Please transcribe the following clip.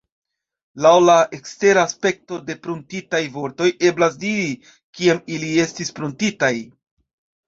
Laŭ la ekstera aspekto de pruntitaj vortoj eblas diri, kiam ili estis pruntitaj.